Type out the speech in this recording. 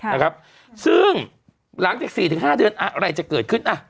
นะครับซึ่งหลังจาก๔๕เดือนอะไรจะเกิดขึ้น